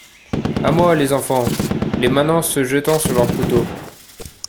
À moi, les enfants ! les manants , se jetant sur leurs couteaux.